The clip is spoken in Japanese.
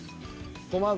ごま油。